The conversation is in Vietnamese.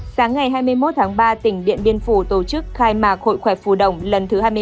sáng hai mươi một ba tỉnh điện biên phủ tổ chức khai mạc hội khoẻ phù đồng lần thứ hai mươi một năm hai nghìn hai mươi bốn